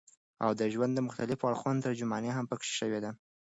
او د ژوند د مختلفو اړخونو ترجماني هم پکښې شوې ده